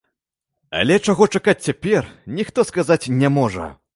Але чаго чакаць цяпер, ніхто сказаць не можа.